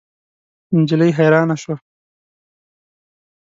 نجلۍ حیرانه شوه.